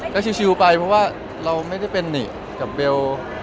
ก็ชิลไปเพราะว่าเราไม่ได้เป็นนี่กับเบล